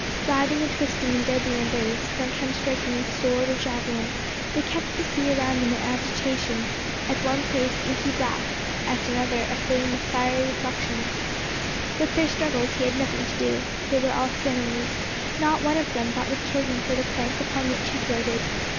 Writhing and twisting in deadly embrace, sometimes striking with sword or javelin, they kept the sea around them in agitation, at one place inky black, at another aflame with fiery reflections. With their struggles he had nothing to do; they were all his enemies: not one of them but would kill him for the plank upon which he floated.